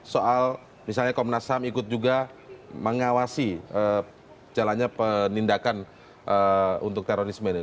soal misalnya komnas ham ikut juga mengawasi jalannya penindakan untuk terorisme ini